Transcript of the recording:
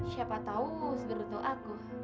siapa tau sebetulnya aku